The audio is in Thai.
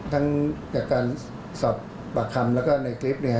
ทั้งจากการสอบปากคำแล้วก็ในคลิปเนี่ย